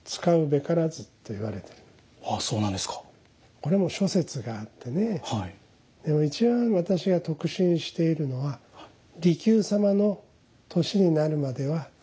これも諸説があってね一番私が得心しているのは利休様の年になるまでは使うべからずと。